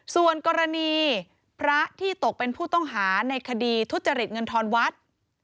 ส่วนกรณีพระที่ตกเป็นผู้ต้องหาในคดีทุจริตเงินทอนวัด